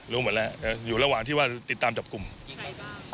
รู้หมดแล้วอยู่ระหว่างที่ว่าติดตามจับกลุ่มยังไงบ้าง